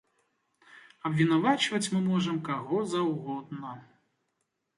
Абвінавачваць мы можам каго заўгодна.